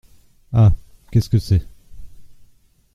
Ah ! qu'est-ce que c'est ?